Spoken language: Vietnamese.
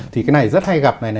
thì cái này rất hay gặp này